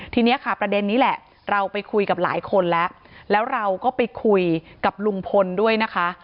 ทีนี้ค่ะประเด็นนี้แหละเราไปคุยกับหลายคนแล้วแล้วเราก็ไปคุยกับลุงพลด้วยนะคะ